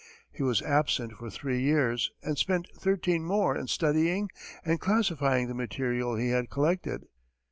He was absent for three years and spent thirteen more in studying and classifying the material he had collected.